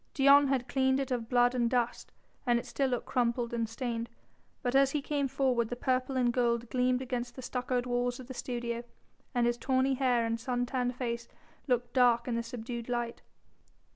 Dion had cleaned it of blood and dust, and it still looked crumpled and stained, but as he came forward the purple and gold gleamed against the stuccoed walls of the studio, and his tawny hair and sun tanned face looked dark in the subdued light.